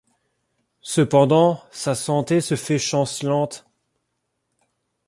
Cependant, sa santé se fait chancelante.